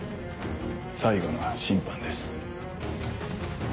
最後の審判です。